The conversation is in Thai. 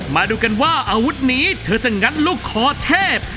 มาดูกันว่าอาวุธนี้เธอจะงัดลูกคอเทพ